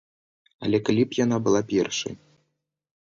Але калі б яна была першай.